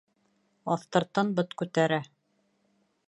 Аҫтыртын бот күтәрә.